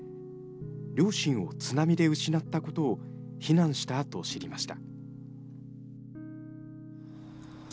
両親を津波で失ったことを避難したあと知りました。